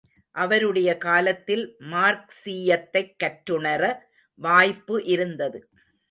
அவருடைய காலத்தில் மார்க்சீயத்தைக் கற்றுணர வாய்ப்பு இருந்தது.